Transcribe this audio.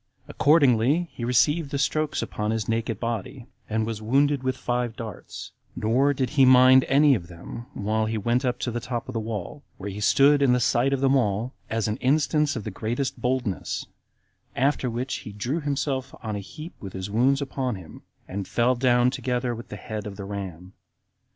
Accordingly, he received the strokes upon his naked body, and was wounded with five darts; nor did he mind any of them while he went up to the top of the wall, where he stood in the sight of them all, as an instance of the greatest boldness; after which he drew himself on a heap with his wounds upon him, and fell down together with the head of the ram.